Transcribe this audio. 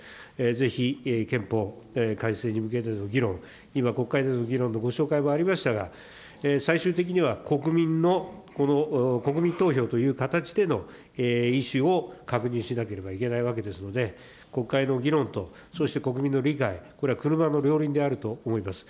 ぜひ憲法改正に向けての議論、今、国会での議論のご紹介もありましたが、最終的には、国民の、この国民投票という形での意思を確認しなければいけないわけですので、国会の議論と、そして国民の理解、これは車の両輪であると思います。